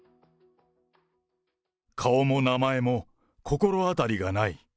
顔も名前も、心当たりがない。